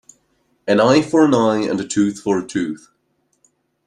An eye for an eye and a tooth for a tooth.